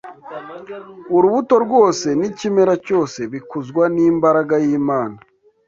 Urubuto rwose n’ikimera cyose bikuzwa n’imbaraga y’Imana.